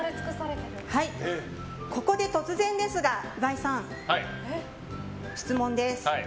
ここで突然ですが岩井さん、質問です。